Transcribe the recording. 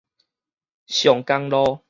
松江路